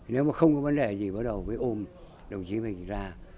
nếu mà không có vấn đề gì bắt đầu mới ôm đồng chí mình ra